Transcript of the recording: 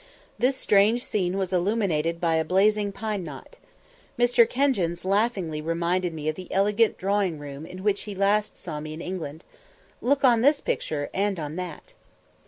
This strange scene was illuminated by a blazing pine knot. Mr. Kenjins laughingly reminded me of the elegant drawing room in which he last saw me in England "Look on this picture and on that."